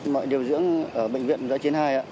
mọi điều dưỡng ở bệnh viện giã chiến hai